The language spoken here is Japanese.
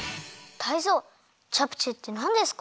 タイゾウチャプチェってなんですか？